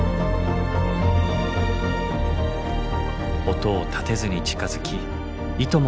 音を立てずに近づきいとも